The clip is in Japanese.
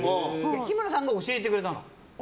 日村さんが教えてくれたの。